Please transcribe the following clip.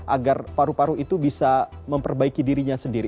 agar paru paru itu bisa memperbaiki dirinya sendiri